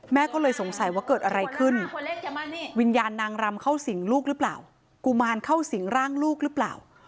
ก็เลยสงสัยว่าเกิดอะไรขึ้นวิญญาณนางรำเข้าสิงลูกหรือเปล่ากุมารเข้าสิงร่างลูกหรือเปล่า